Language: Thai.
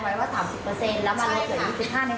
อารมณ์ว่าทำไมทำไมทำไม